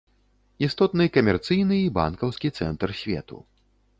Істотны камерцыйны і банкаўскі цэнтр свету.